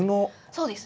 そうです。